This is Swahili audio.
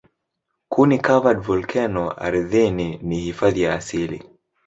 Kuni-covered volkeno ardhini ni hifadhi ya asili.